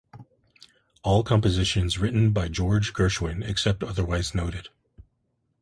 All compositions written by George Gershwin, except otherwise noted.